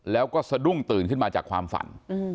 แล้วก็สะดุ้งตื่นขึ้นมาจากความฝัน